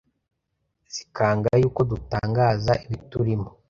Zikanga yuko dutangaza ibiturimo